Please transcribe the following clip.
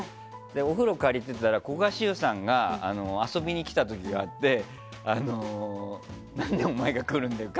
お風呂借りていたら古賀シュウさんが遊びに来た時があってなんでお前が来るんだよ